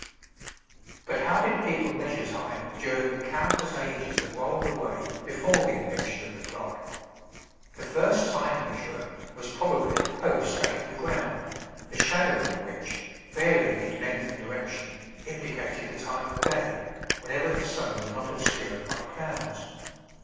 But how did people measure time during the countless ages that rolled away before the invention of the clock? The first time measurer was probably a post stuck in the ground, the shadow of which, varying in length and direction, indicated the time of day, whenever the sun was not obscured by clouds.